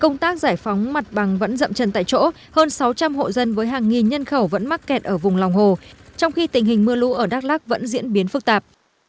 công tác giải phóng mặt bằng vẫn dậm trần tại chỗ hơn sáu trăm linh hộ dân với hàng nghìn nhân khẩu vẫn mắc kẹt ở vùng lòng hồ trong khi tình hình mưa lũ ở đắk lắc vẫn diễn biến phức tạp